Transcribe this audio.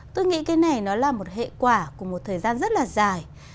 tôi nghĩ cái này nó là một hệ quả của một thời gian rất là dài